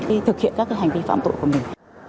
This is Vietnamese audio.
khi thực hiện các hành vi phạm tội của mình